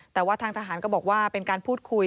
แต่ว่าทางทหารก็บอกว่าเป็นการพูดคุย